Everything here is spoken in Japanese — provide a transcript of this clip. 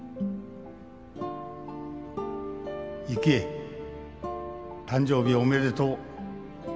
「幸恵誕生日おめでとう」